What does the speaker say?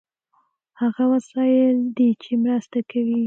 هغه وسایل دي چې مرسته کوي.